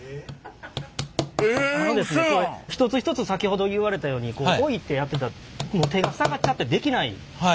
これ一つ一つ先ほど言われたように置いてやってたら手が塞がっちゃってできない。